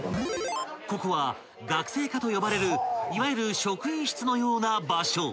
［ここは学生課と呼ばれるいわゆる職員室のような場所］